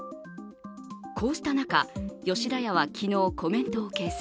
こうした中、吉田屋は昨日コメントを掲載。